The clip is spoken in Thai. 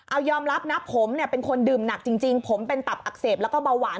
เอายอมรับนะผมเนี่ยเป็นคนดื่มหนักจริงผมเป็นตับอักเสบแล้วก็เบาหวาน